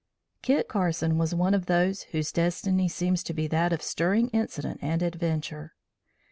Kit Carson was one of those whose destiny seems to be that of stirring incident and adventure.